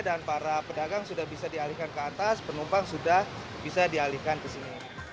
para pedagang sudah bisa dialihkan ke atas penumpang sudah bisa dialihkan ke sini